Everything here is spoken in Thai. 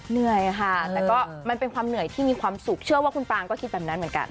เหนื่อยค่ะแต่ก็มันเป็นความเหนื่อยที่มีความสุขเชื่อว่าคุณปรางก็คิดแบบนั้นเหมือนกัน